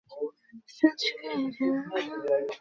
এটা এসে দেখে যা।